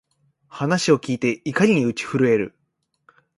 話を聞いて、怒りに打ち震える